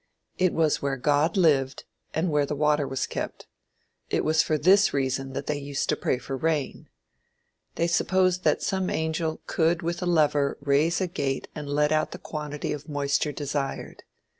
It was where God lived, and where water was kept. It was for this reason that they used to pray for rain. They supposed that some angel could with a lever raise a gate and let out the quantity of moisture desired.